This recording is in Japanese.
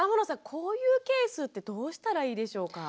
こういうケースってどうしたらいいでしょうか？